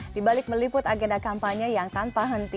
di balik meliput agenda kampanye yang tanpa henti